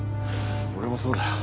俺もそうだよ。